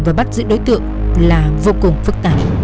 và bắt giữ đối tượng là vô cùng phức tạp